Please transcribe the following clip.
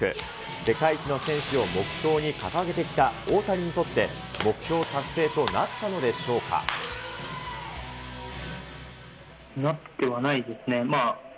世界一の選手を目標に掲げてきた大谷にとって、目標達成となったなってはないですね。